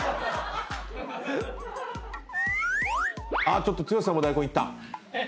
あっちょっと剛さんも大根いった！